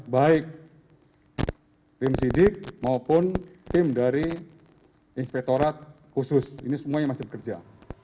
baik tim sidik maupun tim dari inspektorat khusus ini semuanya masih bekerja